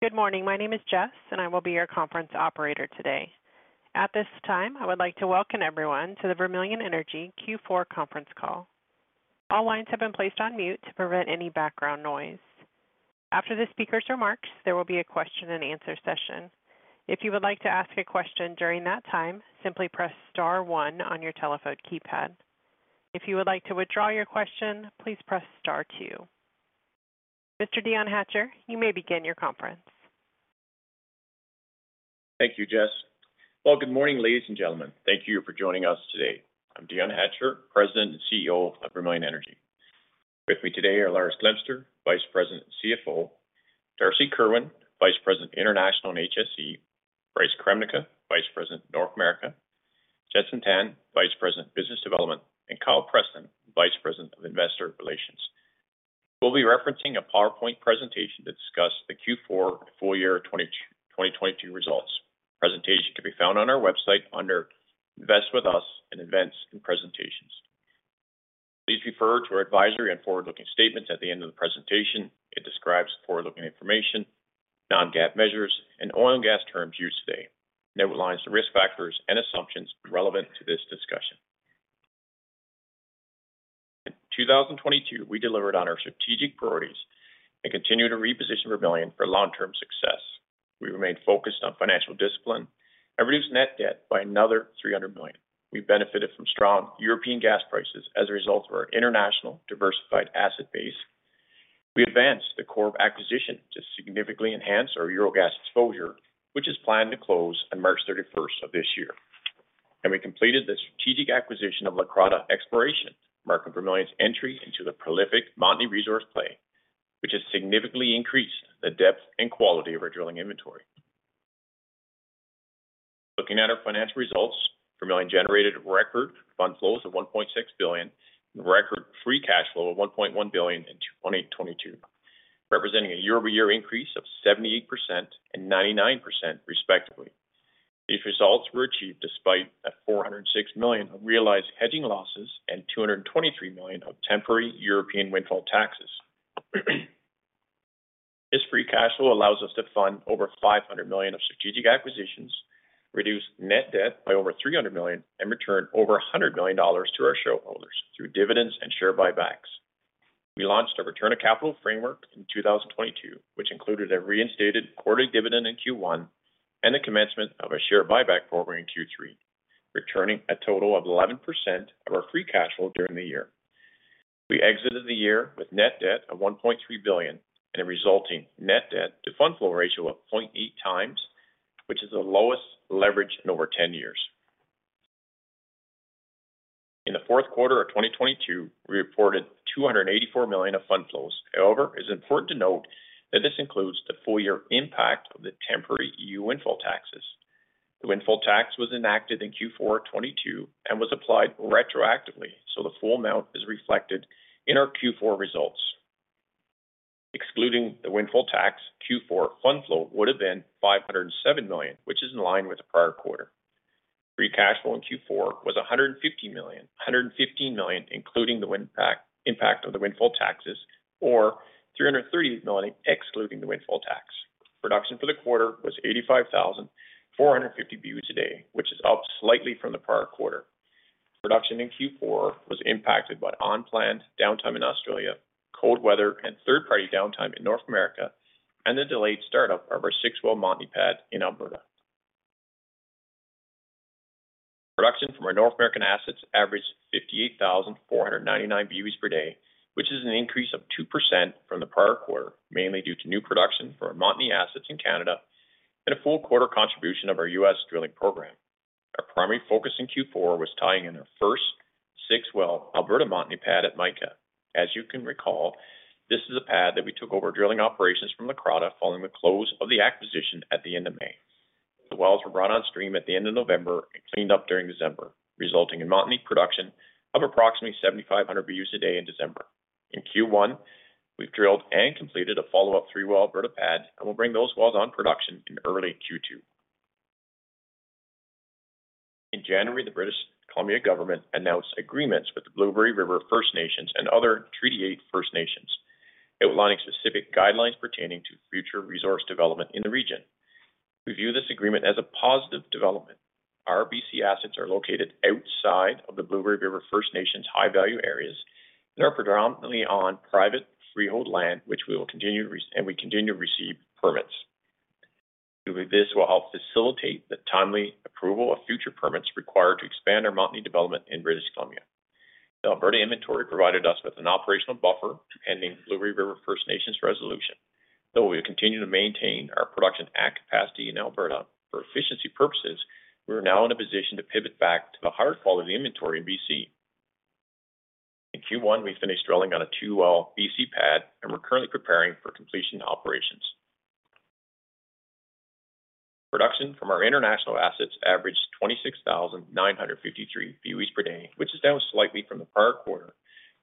Good morning. My name is Jess, I will be your conference operator today. At this time, I would like to welcome everyone to the Vermilion Energy Q4 conference call. All lines have been placed on mute to prevent any background noise. After the speaker's remarks, there will be a question and answer session. If you would like to ask a question during that time, simply press star one on your telephone keypad. If you would like to withdraw your question, please press star two. Mr. Dion Hatcher, you may begin your conference. Thank you, Jess. Well, good morning, ladies and gentlemen. Thank you for joining us today. I'm Dion Hatcher, President and CEO of Vermilion Energy. With me today are Lars Glemser, Vice President and CFO, Darcy Kerwin, Vice President, International and HSE, Bryce Kremnica, Vice President, North America, Jenson Tan, Vice President, Business Development, and Kyle Preston, Vice President of Investor Relations. We'll be referencing a PowerPoint presentation to discuss the Q4 full year 2022 results. Presentation can be found on our website under Invest With Us in Events and Presentations. Please refer to our advisory and forward-looking statements at the end of the presentation. It describes forward-looking information, non-GAAP measures, and oil and gas terms used today. It outlines the risk factors and assumptions relevant to this discussion. In 2022, we delivered on our strategic priorities and continued to reposition Vermilion for long-term success. We remained focused on financial discipline and reduced net debt by another 300 million. We benefited from strong European gas prices as a result of our international diversified asset base. We advanced the Corrib acquisition to significantly enhance our EUR gas exposure, which is planned to close on March 31st of this year. We completed the strategic acquisition of Leucrotta Exploration, marking Vermilion's entry into the prolific Montney resource play, which has significantly increased the depth and quality of our drilling inventory. Looking at our financial results, Vermilion generated record fund flows of 1.6 billion and record free cash flow of 1.1 billion in 2022, representing a year-over-year increase of 78% and 99%, respectively. These results were achieved despite 406 million of realized hedging losses and 223 million of temporary EU windfall taxes. This free cash flow allows us to fund over 500 million of strategic acquisitions, reduce net debt by over 300 million, and return over $100 million to our shareholders through dividends and share buybacks. We launched a return of capital framework in 2022, which included a reinstated quarterly dividend in Q1 and the commencement of a share buyback program in Q3, returning a total of 11% of our free cash flow during the year. We exited the year with net debt of 1.3 billion and a resulting net debt to fund flow ratio of 0.8 times, which is the lowest leverage in over 10 years. In the fourth quarter of 2022, we reported 284 million of fund flows. It's important to note that this includes the full year impact of the temporary EU windfall taxes. The windfall tax was enacted in Q4 2022 and was applied retroactively, the full amount is reflected in our Q4 results. Excluding the windfall tax, Q4 fund flow would have been 507 million, which is in line with the prior quarter. Free cash flow in Q4 was 150 million including the impact of the windfall taxes, or 330 million excluding the windfall tax. Production for the quarter was 85,450 BOE per day, which is up slightly from the prior quarter. Production in Q4 was impacted by unplanned downtime in Australia, cold weather and third-party downtime in North America, and the delayed startup of our six-well Montney pad in Alberta. Production from our North American assets averaged 58,499 BOE per day, which is an increase of 2% from the prior quarter, mainly due to new production from our Montney assets in Canada and a full quarter contribution of our U.S. drilling program. Our primary focus in Q4 was tying in our first six-well Alberta Montney pad at Mica. As you can recall, this is a pad that we took over drilling operations from Leucrotta following the close of the acquisition at the end of May. The wells were brought on stream at the end of November and cleaned up during December, resulting in Montney production of approximately 7,500 BOE per day in December. In Q1, we've drilled and completed a follow-up 3-well Alberta pad, we'll bring those wells on production in early Q2. In January, the British Columbia government announced agreements with the Blueberry River First Nations and other Treaty 8 First Nations, outlining specific guidelines pertaining to future resource development in the region. We view this agreement as a positive development. Our BC assets are located outside of the Blueberry River First Nations high-value areas and are predominantly on private freehold land, which we will continue and we continue to receive permits. Doing this will help facilitate the timely approval of future permits required to expand our Montney development in British Columbia. The Alberta inventory provided us with an operational buffer to pending Blueberry River First Nations resolution. Though we continue to maintain our production at capacity in Alberta for efficiency purposes, we're now in a position to pivot back to the higher quality inventory in BC. In Q1, we finished drilling on a 2-well BC pad, and we're currently preparing for completion operations. Production from our international assets averaged 26,953 BOE per day, which is down slightly from the prior quarter,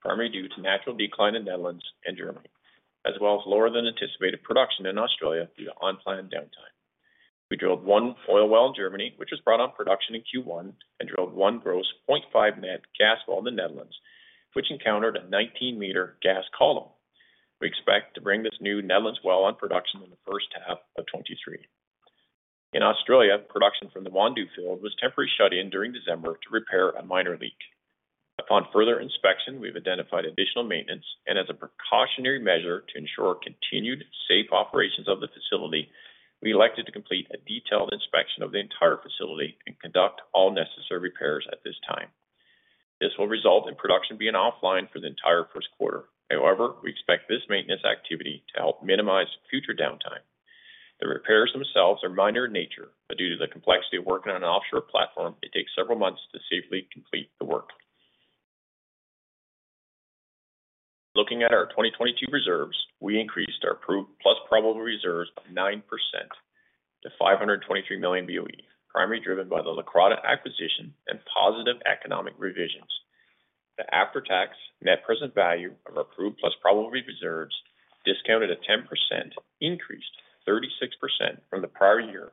primarily due to natural decline in Netherlands and Germany, as well as lower than anticipated production in Australia due to unplanned downtime. We drilled 1 oil well in Germany, which was brought on production in Q1 and drilled 1 gross 0.5 net gas well in the Netherlands, which encountered a 19 meter gas column. We expect to bring this new Netherlands well on production in the first half of 2023. In Australia, production from the Wandoo field was temporarily shut in during December to repair a minor leak. Upon further inspection, we've identified additional maintenance and as a precautionary measure to ensure continued safe operations of the facility, we elected to complete a detailed inspection of the entire facility and conduct all necessary repairs at this time. This will result in production being offline for the entire first quarter. We expect this maintenance activity to help minimize future downtime. The repairs themselves are minor in nature, due to the complexity of working on an offshore platform, it takes several months to safely complete the work. Looking at our 2022 reserves, we increased our proved plus probable reserves of 9% to 523 million BOE, primarily driven by the Leucrotta acquisition and positive economic revisions. The after-tax net present value of our proved plus probable reserves, discounted at 10%, increased 36% from the prior year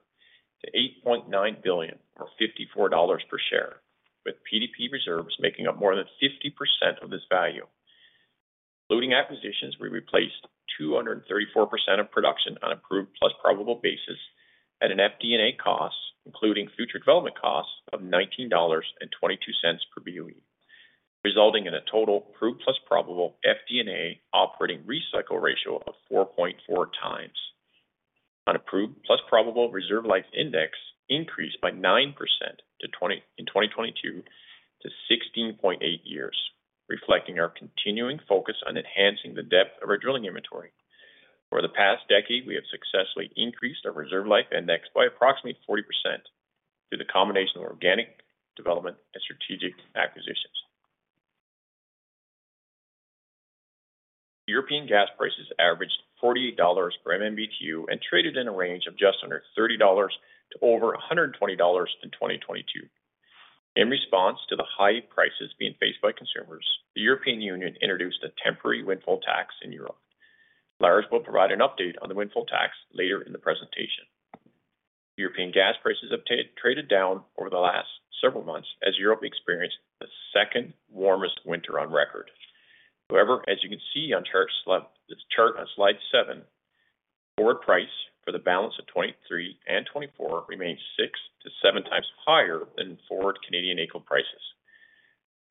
to $8.9 billion or $54 per share, with PDP reserves making up more than 50% of this value. Including acquisitions, we replaced 234% of production on a proved plus probable basis at an FD&A cost, including future development costs of $19.22 per BOE, resulting in a total proved plus probable FD&A operating recycle ratio of 4.4 times. Our proved plus probable reserve life index increased by 9% to 16.8 years in 2022, reflecting our continuing focus on enhancing the depth of our drilling inventory. Over the past decade, we have successfully increased our reserve life index by approximately 40% through the combination of organic development and strategic acquisitions. European gas prices averaged $48 per MMBtu and traded in a range of just under $30 to over $120 in 2022. In response to the high prices being faced by consumers, the European Union introduced a temporary windfall tax in Europe. Lars will provide an update on the windfall tax later in the presentation. European gas prices have traded down over the last several months as Europe experienced the second warmest winter on record. As you can see on this chart on slide 7, forward price for the balance of 2023 and 2024 remains 6 to 7 times higher than forward Canadian AECO prices.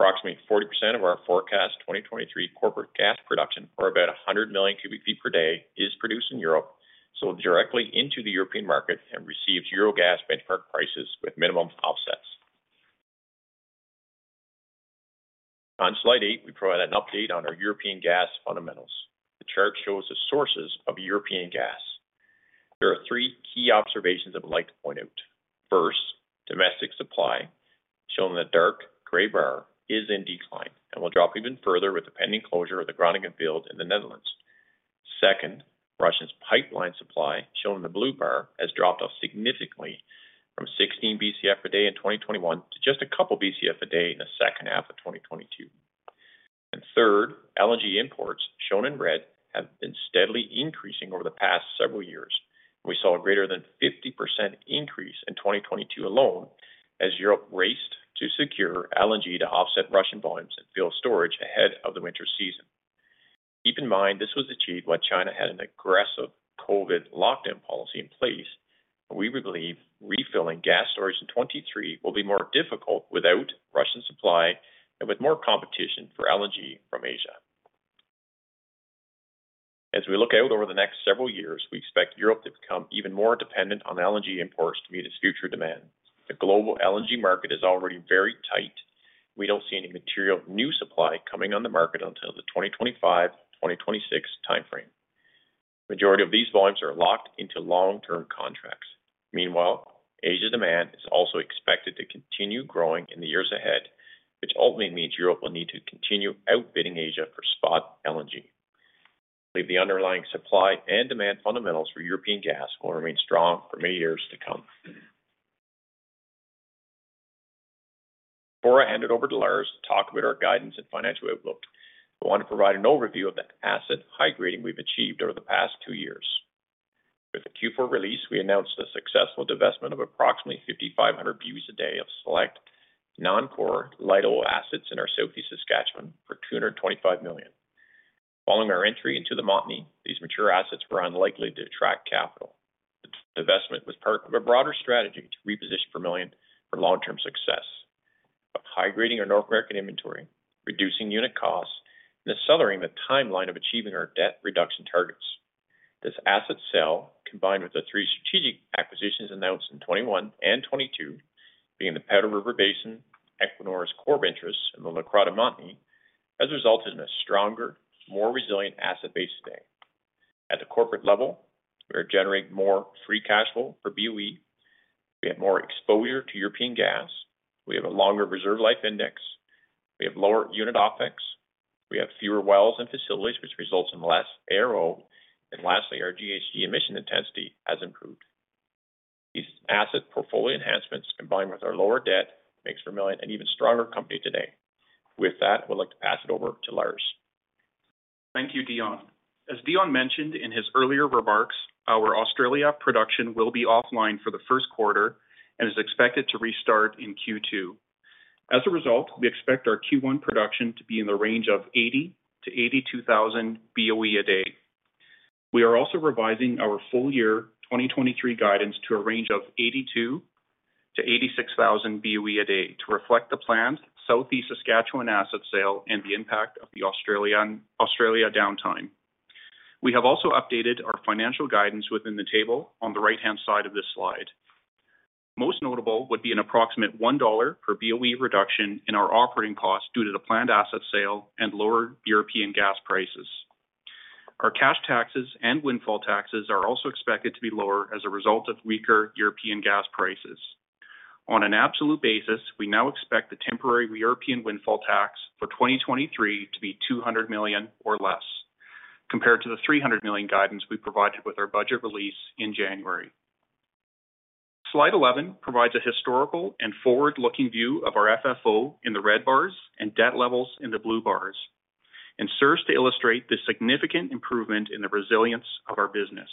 Approximately 40% of our forecast 2023 corporate gas production, or about 100 million cubic feet per day, is produced in Europe, sold directly into the European market and receives Euro gas benchmark prices with minimum offsets. On slide 8, we provide an update on our European gas fundamentals. The chart shows the sources of European gas. There are 3 key observations I would like to point out. First, domestic supply, shown in the dark gray bar, is in decline and will drop even further with the pending closure of the Groningen field in the Netherlands. Second, Russia's pipeline supply, shown in the blue bar, has dropped off significantly from 16 Bcf a day in 2021 to just a couple Bcf a day in the second half of 2022. Third, LNG imports, shown in red, have been steadily increasing over the past several years. We saw a greater than 50% increase in 2022 alone as Europe raced to secure LNG to offset Russian volumes and fill storage ahead of the winter season. Keep in mind this was achieved when China had an aggressive COVID lockdown policy in place. We believe refilling gas storage in 2023 will be more difficult without Russian supply and with more competition for LNG from Asia. As we look out over the next several years, we expect Europe to become even more dependent on LNG imports to meet its future demand. The global LNG market is already very tight. We don't see any material new supply coming on the market until the 2025–2026 timeframe. Majority of these volumes are locked into long-term contracts. Meanwhile, Asia demand is also expected to continue growing in the years ahead, which ultimately means Europe will need to continue outbidding Asia for spot LNG. We believe the underlying supply and demand fundamentals for European gas will remain strong for many years to come. Before I hand it over to Lars to talk about our guidance and financial outlook, I want to provide an overview of the asset high-grading we've achieved over the past two years. With the Q4 release, we announced a successful divestment of approximately 5,500 BOEs a day of select non-core light oil assets in our Souris, Saskatchewan for 225 million. Following our entry into the Montney, these mature assets were unlikely to attract capital. This divestment was part of a broader strategy to reposition Vermilion for long-term success by high-grading our North American inventory, reducing unit costs, and accelerating the timeline of achieving our debt reduction targets. This asset sale, combined with the three strategic acquisitions announced in 2021 and 2022, being the Powder River Basin, Equinor's Corrib interest in the Leucrotta Exploration Montney, has resulted in a stronger, more resilient asset base today. At the corporate level, we are generating more free cash flow per BOE. We have more exposure to European gas. We have a longer reserve life index. We have lower unit OpEx. We have fewer wells and facilities, which results in less ARO. Lastly, our GHG emission intensity has improved. These asset portfolio enhancements, combined with our lower debt, makes Vermilion an even stronger company today. I would like to pass it over to Lars. Thank you, Dion. As Dion mentioned in his earlier remarks, our Australia production will be offline for the first quarter and is expected to restart in Q2. As a result, we expect our Q1 production to be in the range of 80,000-82,000 BOE a day. We are also revising our full year 2023 guidance to a range of 82,000-86,000 BOE a day to reflect the planned Southeast Saskatchewan asset sale and the impact of the Australia downtime. We have also updated our financial guidance within the table on the right-hand side of this slide. Most notable would be an approximate 1 dollar per BOE reduction in our operating costs due to the planned asset sale and lower European gas prices. Our cash taxes and windfall taxes are also expected to be lower as a result of weaker European gas prices. On an absolute basis, we now expect the temporary European windfall tax for 2023 to be 200 million or less, compared to the 300 million guidance we provided with our budget release in January. Slide 11 provides a historical and forward-looking view of our FFO in the red bars and debt levels in the blue bars and serves to illustrate the significant improvement in the resilience of our business.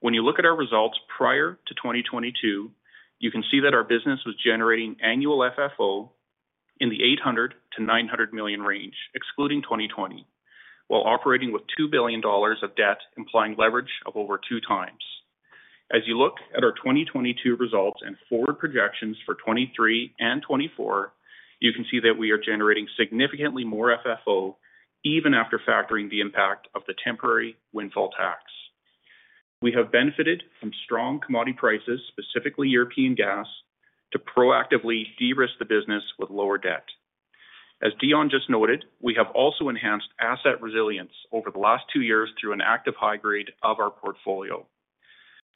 When you look at our results prior to 2022, you can see that our business was generating annual FFO in the 800 million-900 million range, excluding 2020, while operating with 2 billion dollars of debt, implying leverage of over 2 times. As you look at our 2022 results and forward projections for 2023 and 2024, you can see that we are generating significantly more FFO even after factoring the impact of the temporary windfall tax. We have benefited from strong commodity prices, specifically European gas, to proactively de-risk the business with lower debt. As Dion just noted, we have also enhanced asset resilience over the last two years through an active high-grade of our portfolio.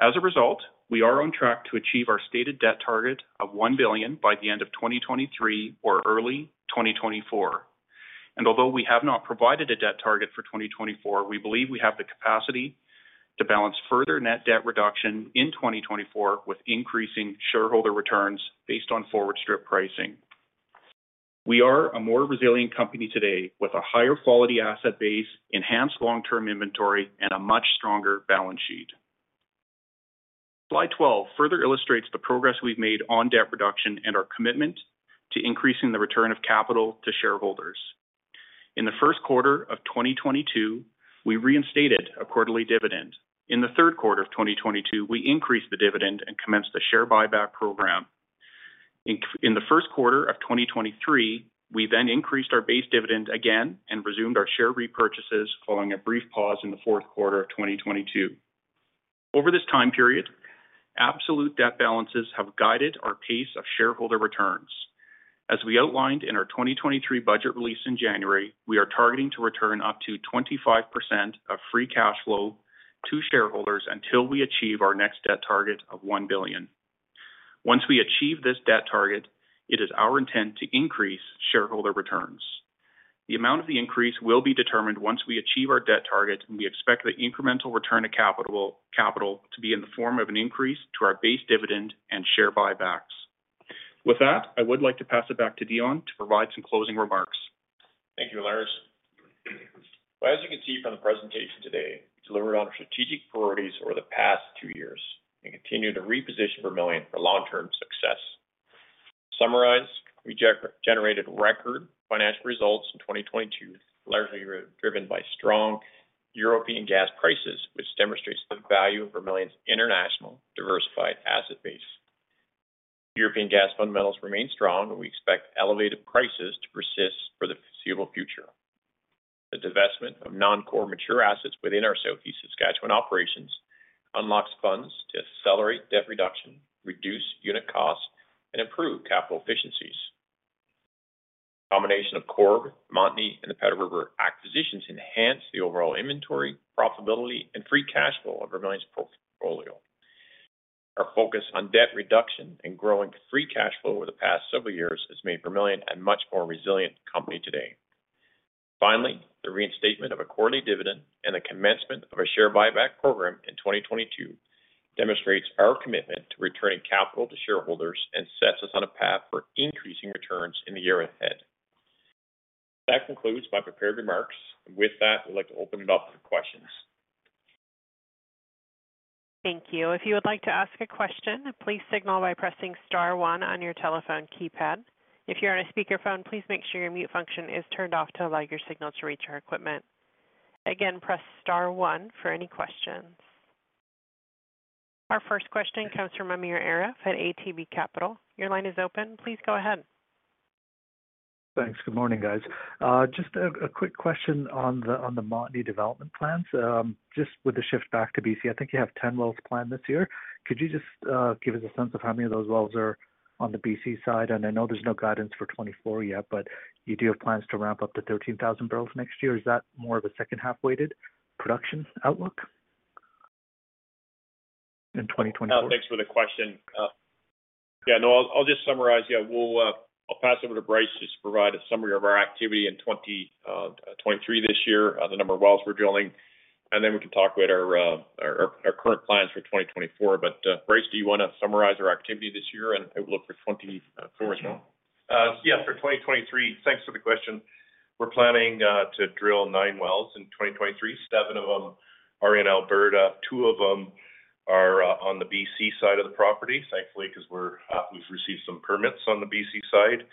As a result, we are on track to achieve our stated debt target of $1 billion by the end of 2023 or early 2024. Although we have not provided a debt target for 2024, we believe we have the capacity to balance further net debt reduction in 2024 with increasing shareholder returns based on forward strip pricing. We are a more resilient company today with a higher quality asset base, enhanced long-term inventory, and a much stronger balance sheet. Slide 12 further illustrates the progress we've made on debt reduction and our commitment to increasing the return of capital to shareholders. In the first quarter of 2022, we reinstated a quarterly dividend. In the third quarter of 2022, we increased the dividend and commenced the share buyback program. In the first quarter of 2023, we then increased our base dividend again and resumed our share repurchases following a brief pause in the fourth quarter of 2022. Over this time period, absolute debt balances have guided our pace of shareholder returns. As we outlined in our 2023 budget release in January, we are targeting to return up to 25% of free cash flow to shareholders until we achieve our next debt target of 1 billion. Once we achieve this debt target, it is our intent to increase shareholder returns. The amount of the increase will be determined once we achieve our debt target, and we expect the incremental return to capital to be in the form of an increase to our base dividend and share buybacks. With that, I would like to pass it back to Dion to provide some closing remarks. Thank you, Lars. Well, as you can see from the presentation today, we delivered on our strategic priorities over the past two years and continue to reposition Vermilion for long-term success. To summarize, we generated record financial results in 2022, largely driven by strong European gas prices, which demonstrates the value of Vermilion's international diversified asset base. European gas fundamentals remain strong. We expect elevated prices to persist for the foreseeable future. The divestment of non-core mature assets within our Southeast Saskatchewan operations unlocks funds to accelerate debt reduction, reduce unit costs, and improve capital efficiencies. The combination of Corrib, Montney, and the Powder River acquisitions enhance the overall inventory, profitability, and free cash flow of Vermilion's portfolio. Our focus on debt reduction and growing free cash flow over the past several years has made Vermilion a much more resilient company today. Finally, the reinstatement of a quarterly dividend and the commencement of a share buyback program in 2022 demonstrates our commitment to returning capital to shareholders and sets us on a path for increasing returns in the year ahead. That concludes my prepared remarks. With that, I'd like to open it up for questions. Thank you. If you would like to ask a question, please signal by pressing star one on your telephone keypad. If you're on a speaker phone, please make sure your mute function is turned off to allow your signal to reach our equipment. Again, press star one for any questions. Our first question comes from Amir Arif at ATB Capital. Your line is open. Please go ahead. Thanks. Good morning, guys. Just a quick question on the Montney development plans. Just with the shift back to BC, I think you have 10 wells planned this year. Could you just give us a sense of how many of those wells are on the BC side? I know there's no guidance for 2024 yet, but you do have plans to ramp up to 13,000 barrels next year. Is that more of a second-half weighted production outlook in 2024? Thanks for the question. Yeah, no, I'll just summarize. Yeah, we'll, I'll pass over to Bryce just to provide a summary of our activity in 2023 this year, the number of wells we're drilling, and then we can talk about our current plans for 2024. Bryce, do you wanna summarize our activity this year and outlook for 2024 as well? Yeah, for 2023. Thanks for the question. We're planning to drill 9 wells in 2023. 7 of them are in Alberta. 2 of them are on the BC side of the property, thankfully, because we've received some permits on the BC side.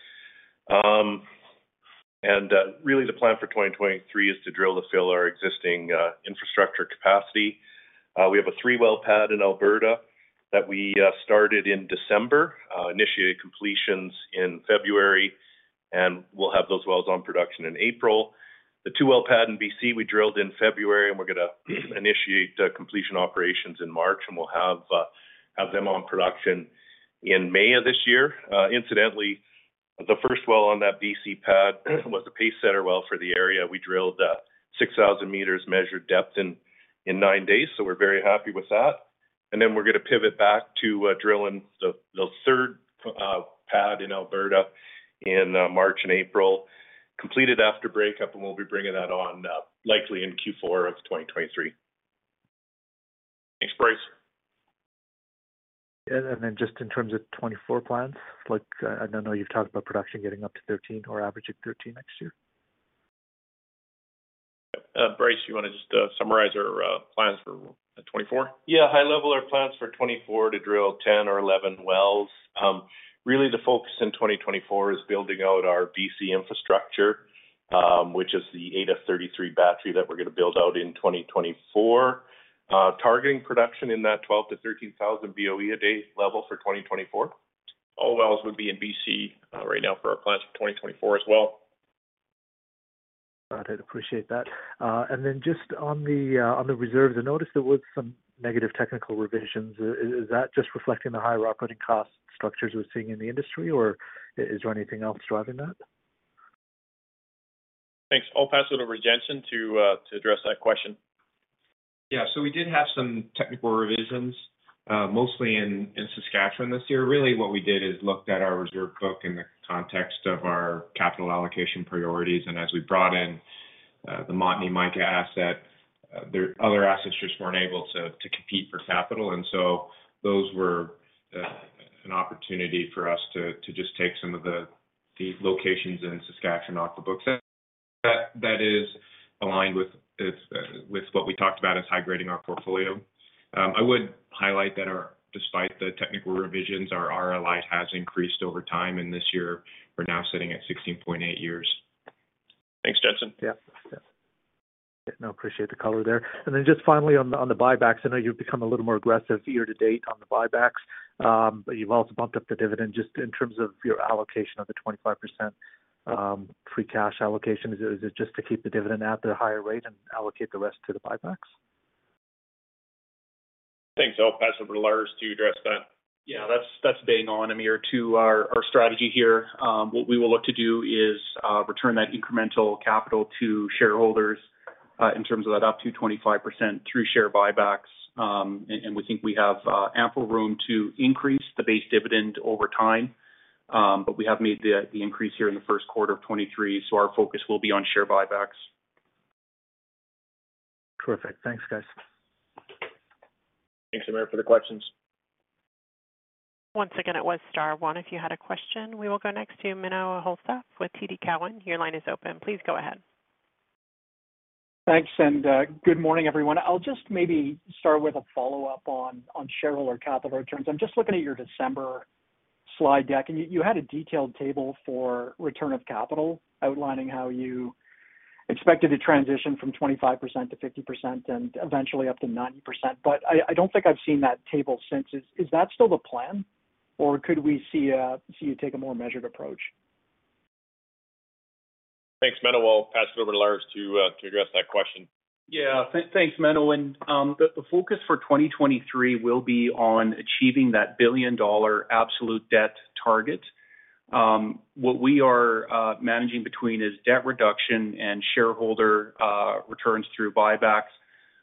Really the plan for 2023 is to drill to fill our existing infrastructure capacity. We have a 3-well pad in Alberta that we started in December, initiated completions in February, and we'll have those wells on production in April. The 2-well pad in BC we drilled in February, and we're gonna initiate completion operations in March, and we'll have them on production in May of this year. Incidentally, the first well on that BC pad was a pacesetter well for the area. We drilled 6,000 meters measured depth in nine days, so we're very happy with that. We're gonna pivot back to drilling the third pad in Alberta in March and April, completed after breakup, and we'll be bringing that on likely in Q4 of 2023. Thanks, Bryce. Just in terms of 2024 plans, like, I know you've talked about production getting up to 13 or averaging 13 next year. Bryce, you wanna just summarize our plans for 2024? Yeah. High level, our plans for 2024 to drill 10 or 11 wells. Really the focus in 2024 is building out our BC infrastructure, which is the Ada 33 battery that we're gonna build out in 2024. Targeting production in that 12,000-13,000 BOE a day level for 2024. All wells would be in BC, right now for our plans for 2024 as well. Got it. Appreciate that. Just on the reserves, I noticed there was some negative technical revisions. Is that just reflecting the high rock-cutting cost structures we're seeing in the industry, or is there anything else driving that? Thanks. I'll pass it over to Jenson to address that question. We did have some technical revisions, mostly in Saskatchewan this year. Really what we did is looked at our reserve book in the context of our capital allocation priorities. As we brought in the Montney Mica asset, the other assets just weren't able to compete for capital. Those were an opportunity for us to just take some of the locations in Saskatchewan off the books. That is aligned with what we talked about as high-grading our portfolio. I would highlight that despite the technical revisions, our RLI has increased over time, and this year we're now sitting at 16.8 years. Thanks, Jenson. Yeah. Yeah. No, appreciate the color there. Just finally on the buybacks, I know you've become a little more aggressive year-to-date on the buybacks, you've also bumped up the dividend. Just in terms of your allocation of the 25% free cash allocation, is it just to keep the dividend at the higher rate and allocate the rest to the buybacks? Thanks. I'll pass it over to Lars to address that. Yeah. That's bang on, Amir, to our strategy here. What we will look to do is return that incremental capital to shareholders in terms of that up to 25% through share buybacks. We think we have ample room to increase the base dividend over time. We have made the increase here in the first quarter of 2023. Our focus will be on share buybacks. Perfect. Thanks, guys. Thanks, Amir, for the questions. Once again, it was star one if you had a question. We will go next to Menno Hulshof with TD Cowen. Your line is open. Please go ahead. Thanks, good morning, everyone. I'll just maybe start with a follow-up on shareholder capital returns. I'm just looking at your December slide deck, and you had a detailed table for return of capital outlining how you expected to transition from 25% to 50% and eventually up to 90%. I don't think I've seen that table since. Is that still the plan, or could we see you take a more measured approach? Thanks, Menno Hulshof. I'll pass it over to Lars Glemser to address that question. Yeah. Thanks, Menno. The focus for 2023 will be on achieving that $1 billion absolute debt target. What we are managing between is debt reduction and shareholder returns through buybacks.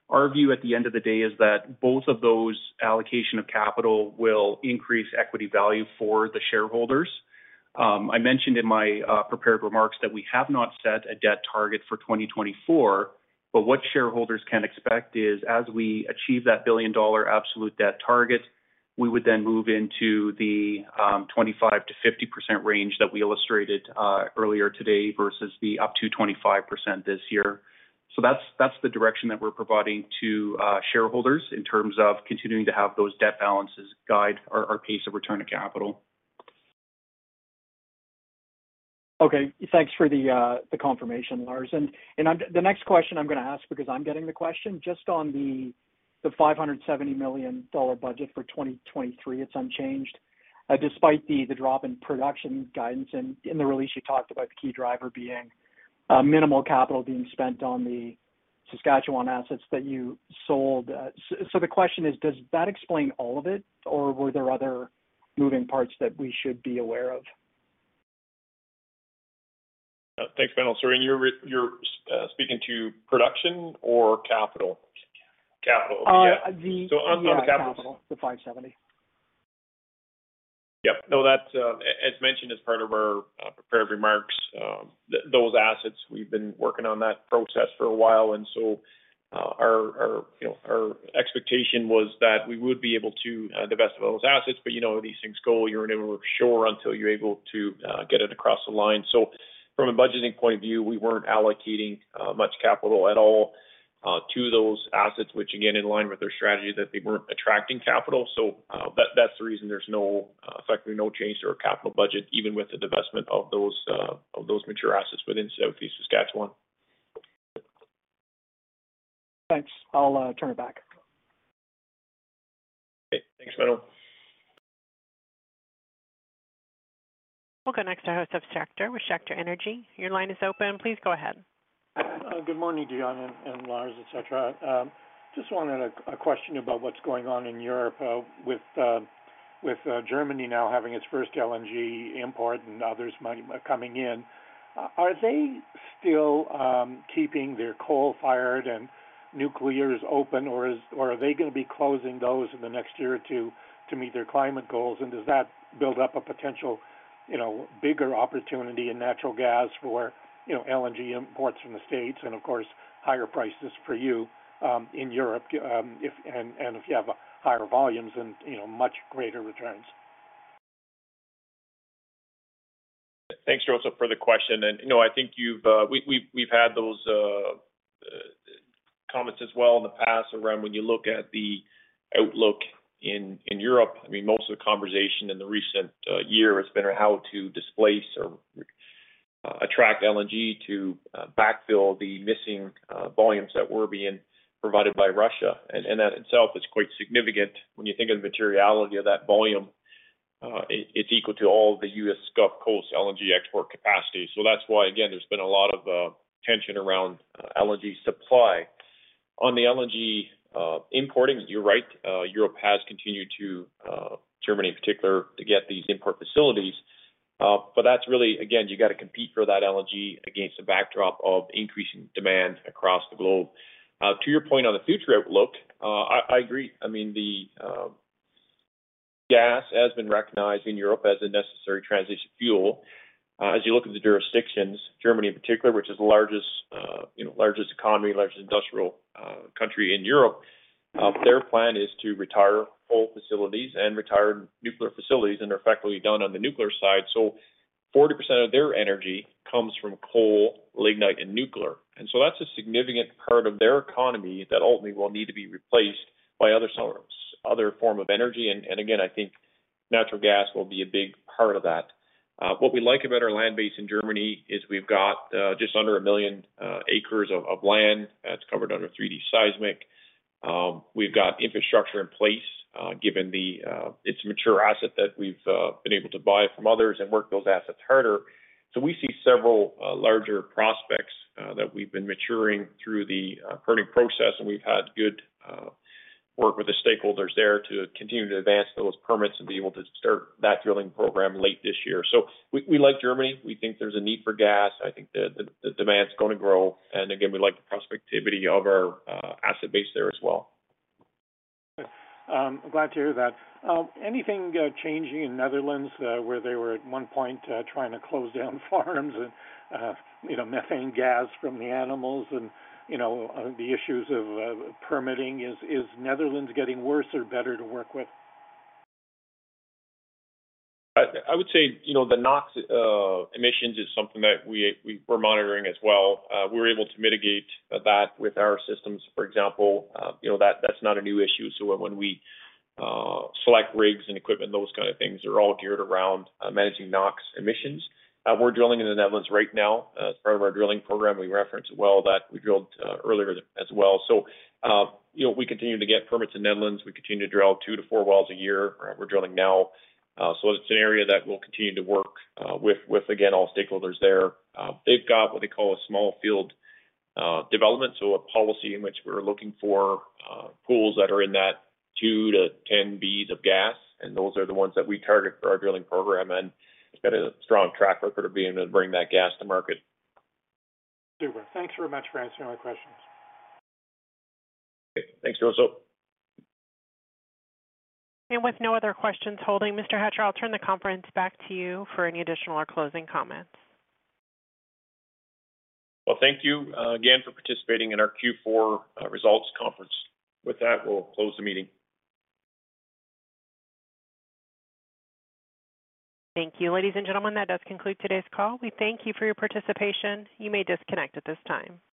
Our view at the end of the day is that both of those allocation of capital will increase equity value for the shareholders. I mentioned in my prepared remarks that we have not set a debt target for 2024. What shareholders can expect is as we achieve that $1 billion absolute debt target, we would then move into the 25%-50% range that we illustrated earlier today versus the up to 25% this year. That's the direction that we're providing to shareholders in terms of continuing to have those debt balances guide our pace of return to capital. Okay. Thanks for the confirmation, Lars. The next question I'm gonna ask because I'm getting the question, just on the 570 million dollar budget for 2023, it's unchanged despite the drop in production guidance. In the release, you talked about the key driver being minimal capital being spent on the Saskatchewan assets that you sold. The question is, does that explain all of it, or were there other moving parts that we should be aware of? Thanks, Menno. Sorry, you're speaking to production or capital? Capital. Capital. Yeah. Uh, the- on the capital- On capital, the 570. Yep. No, that's, as mentioned as part of our prepared remarks, those assets, we've been working on that process for a while. Our, you know, our expectation was that we would be able to divest those assets. You know, these things go, you're never sure until you're able to get it across the line. From a budgeting point of view, we weren't allocating much capital at all to those assets, which again, in line with their strategy, that they weren't attracting capital. That's the reason there's no effectively no change to our capital budget, even with the divestment of those mature assets within Southeast Saskatchewan. Thanks. I'll turn it back. Great. Thanks, Menno. We'll go next to Josef Schachter with Schachter Energy Research. Your line is open. Please go ahead. Good morning, Dion and Lars, et cetera. Just wanted a question about what's going on in Europe, with Germany now having its first LNG import and others might be coming in. Are they still keeping their coal-fired and nuclears open, or are they gonna be closing those in the next year or 2 to meet their climate goals? Does that build up a potential, you know, bigger opportunity in natural gas for, you know, LNG imports from the States and, of course, higher prices for you, in Europe, and if you have higher volumes and, you know, much greater returns? Thanks, Josef, for the question. No, I think you've, we've had those comments as well in the past around when you look at the outlook in Europe. I mean, most of the conversation in the recent year has been how to displace or attract LNG to backfill the missing volumes that were being provided by Russia. That in itself is quite significant when you think of the materiality of that volume. It's equal to all the U.S. Gulf Coast LNG export capacity. That's why, again, there's been a lot of tension around LNG supply. On the LNG importing, you're right. Europe has continued to, Germany in particular, to get these import facilities. That's really, again, you gotta compete for that LNG against the backdrop of increasing demand across the globe. To your point on the future outlook, I agree. I mean the gas has been recognized in Europe as a necessary transition fuel. As you look at the jurisdictions, Germany in particular, which is the largest, you know, largest economy, largest industrial country in Europe, their plan is to retire coal facilities and retire nuclear facilities, and they're effectively done on the nuclear side. 40% of their energy comes from coal, lignite, and nuclear. That's a significant part of their economy that ultimately will need to be replaced by other sources, other form of energy. And again, I think natural gas will be a big part of that. What we like about our land base in Germany is we've got just under 1 million acres of land that's covered under 3D seismic. We've got infrastructure in place, given the, it's a mature asset that we've been able to buy from others and work those assets harder. We see several larger prospects that we've been maturing through the permitting process, and we've had good work with the stakeholders there to continue to advance those permits and be able to start that drilling program late this year. We like Germany. We think there's a need for gas. I think the demand's gonna grow. Again, we like the prospectivity of our asset base there as well. I'm glad to hear that. Anything changing in Netherlands, where they were at one point trying to close down farms and, you know, methane gas from the animals and, you know, the issues of permitting? Is Netherlands getting worse or better to work with? I would say, you know, the NOx emissions is something that we were monitoring as well. We were able to mitigate that with our systems, for example. You know, that's not a new issue. When we select rigs and equipment, those kind of things are all geared around managing NOx emissions. We're drilling in the Netherlands right now as part of our drilling program. We referenced a well that we drilled earlier as well. You know, we continue to get permits in Netherlands. We continue to drill 2-4 wells a year. We're drilling now. It's an area that we'll continue to work with, again, all stakeholders there. They've got what they call a small field, development, so a policy in which we're looking for, pools that are in that 2 to 10 Bcf of gas, and those are the ones that we target for our drilling program. It's got a strong track record of being able to bring that gas to market. Super. Thanks very much for answering my questions. Okay. Thanks, Josef. With no other questions holding, Mr. Hatcher, I'll turn the conference back to you for any additional or closing comments. Well, thank you, again for participating in our Q4, results conference. With that, we'll close the meeting. Thank you. Ladies and gentlemen, that does conclude today's call. We thank you for your participation. You may disconnect at this time.